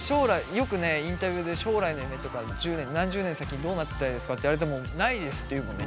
よくねインタビューで「将来の夢」とか「１０年何十年先どうなりたいですか？」って言われても「ないです」って言うもんね。